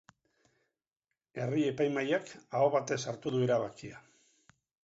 Herri-epaimahaiak aho batez hartu du erabakia.